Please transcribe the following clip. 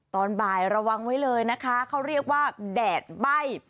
ตอนบ่ายระวังไว้เลยนะคะเขาเรียกว่าแดดใบ้